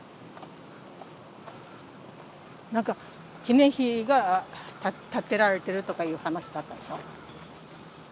なんか記念碑が建てられてるとかいう話だったでしょ。